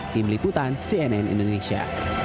tim liputan cnn indonesia